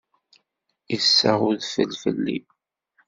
Yessaɣ udfel fell-i.